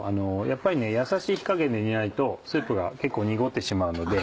やっぱりやさしい火加減で煮ないとスープが結構濁ってしまうので。